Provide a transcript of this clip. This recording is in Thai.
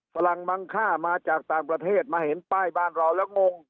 ฝรั่งมังค่ามาจากต่างประเทศมาเห็นป้ายบ้านเราแล้วงง